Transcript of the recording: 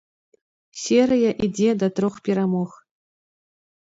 Серыя ідзе да трох перамог.